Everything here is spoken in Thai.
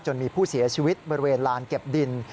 มีผู้เสียชีวิตบริเวณลานเก็บดิน